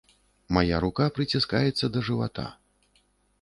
Мая рука прыціскаецца да жывата.